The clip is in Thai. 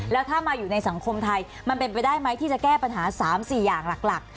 แล้วถ้ามาอยู่ในสังคมไทยมันเป็นไปได้ไหมที่จะแก้ปัญหา๓๔อย่างหลัก